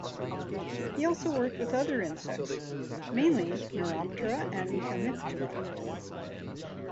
He also worked with other insects, mainly Neuroptera and Hemiptera.